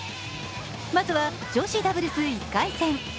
まずは、女子ダブルス１回戦。